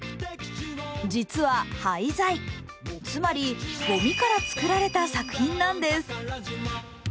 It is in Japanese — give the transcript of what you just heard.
実は廃材、つまり、ごみから作られた作品なんです。